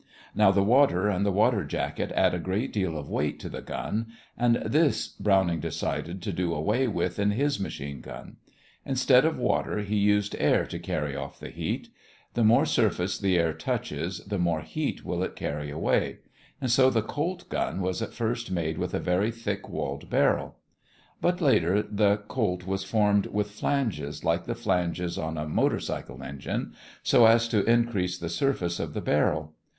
Now the water and the water jacket add a great deal of weight to the gun, and this Browning decided to do away with in his machine gun. Instead of water he used air to carry off the heat. The more surface the air touches, the more heat will it carry away; and so the Colt gun was at first made with a very thick walled barrel. But later the Colt was formed with flanges, like the flanges on a motor cycle engine, so as to increase the surface of the barrel.